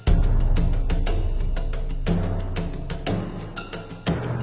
เก้าชีวิตหรือเราให้เจ้าของโน้น